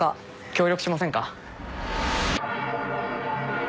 協力しませんか？